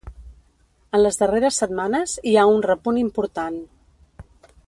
En les darrers setmanes hi ha un repunt important.